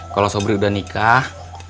kalau sobr udah nikah